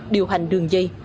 điều hành đường dây